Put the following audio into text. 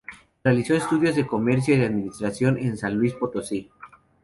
Realizó estudios de Comercio y Administración en San Luis Potosí.